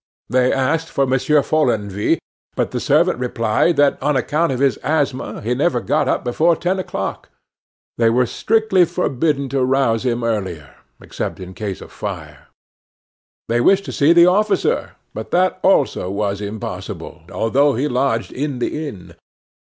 They asked for Monsieur Follenvie, but the servant replied that on account of his asthma he never got up before ten o'clock. They were strictly forbidden to rouse him earlier, except in case of fire. They wished to see the officer, but that also was impossible, although he lodged in the inn.